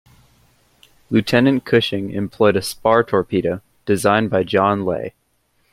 Lieutenant Cushing employed a spar torpedo designed by John Lay.